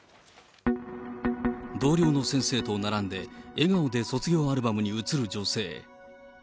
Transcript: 同僚の先生と並んで、笑顔で卒業アルバムに写る女性。